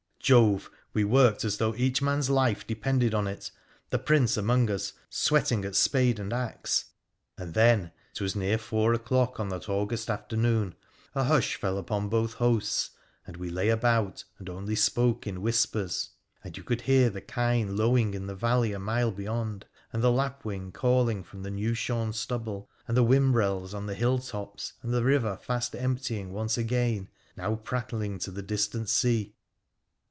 Jove ! we worked as though each man's life depended on it, the Prince among us, sweating at spade and axe, and then — it was near four o'clock on that August afternoon — a hush fell upon both hosts, and we lay about and only spoke in whispers. And you could hear the kine lowing in the valley a mile beyond, and the lapwing calling from the new shorn stubble, and the whimbrels on the hill tops, and the river fast emptying once again, now prattling to the distant sea.